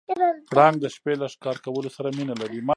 پړانګ د شپې له ښکار کولو سره مینه لري.